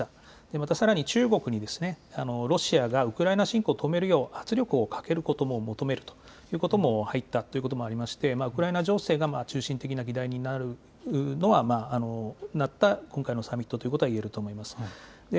またさらに中国にロシアがウクライナ侵攻を止めるよう圧力をかけることも求めるということも入ったということもあり、ウクライナ情勢が中心的な議題になった今回のサミットということが言えると思います。